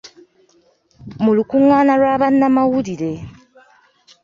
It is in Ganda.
Mu lukungaana lwa bannamawulire.